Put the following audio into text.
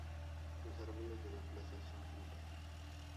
Los árboles de la plaza son tilos.